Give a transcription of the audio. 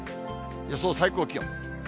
予想最高気温。